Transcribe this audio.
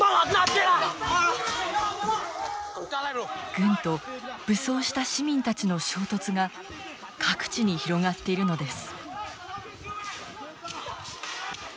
軍と武装した市民たちの衝突が各地に広がっているのです。